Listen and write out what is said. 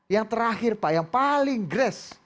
yang terakhir pak yang paling grass